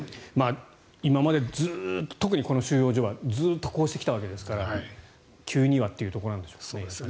今までずっと特に、この収容所はずっとこうしてきたわけですから急にはというところなんでしょうね。